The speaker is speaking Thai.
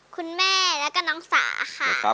คุณแม่แล้วก็น้องสาค่ะ